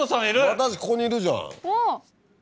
私ここにいるじゃん。